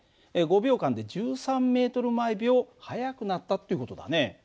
５秒間で１３ｍ／ｓ速くなったっていう事だね。